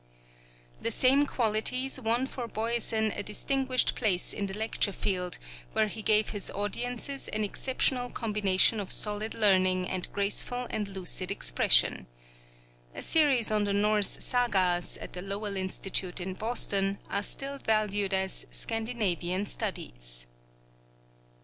The same qualities won for Boyesen a distinguished place in the lecture field, where he gave his audiences an exceptional combination of solid learning and graceful and lucid expression. A series on the Norse sagas, at the Lowell Institute in Boston, are still valued as 'Scandinavian Studies.'